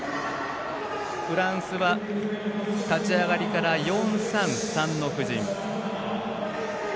フランスは立ち上がりから４−３−３の布陣。